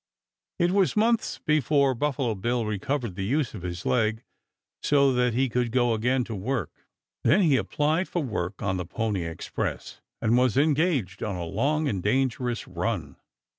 It was months before Buffalo Bill recovered the use of his leg so that he could go again to work; then he applied for work on the Pony Express, and was engaged on a long and dangerous run.